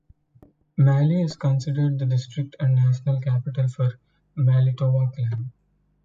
Malie is considered the district and national capital for the Malietoa clan.